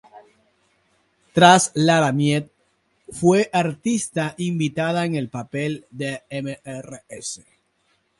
Tras "Laramie" fue artista invitada en el papel de Mrs.